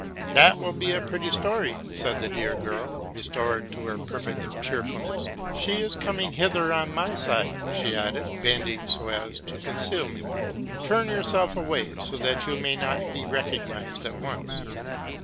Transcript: '* That will be a pretty wehbe s '? said the dear girl, restored to her perfect cheerfulness : 'she is coming hither on my side,'' she added, bending so as half to conceal me; '* turn away, so that you may not be vecognized at onee."?